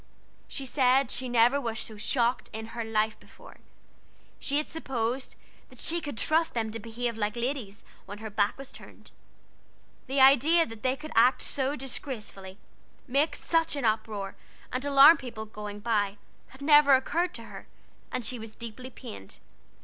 She said she never was so shocked in her life before; she had supposed that she could trust them to behave like ladies when her back was turned. The idea that they could act so disgracefully, make such an uproar and alarm people going by, had never occurred to her, and she was deeply pained.